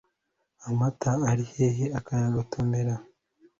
Amata ari hehe akayagotomera